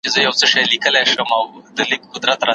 وايي ګناه ده فعل د کفار دی.